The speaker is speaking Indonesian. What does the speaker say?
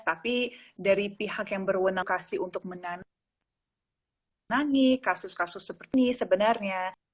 tapi dari pihak yang berwendak untuk menangani kasus kasus seperti ini sebenarnya